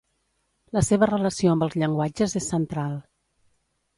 La seva relació amb els llenguatges és central.